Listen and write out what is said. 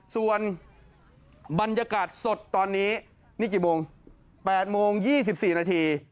ส่วนบรรยากาศสดตอนนี้นี่กี่โมง๘โมง๒๔นาที